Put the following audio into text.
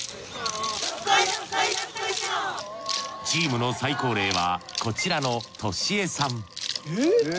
チームの最高齢はこちらの利榮さん。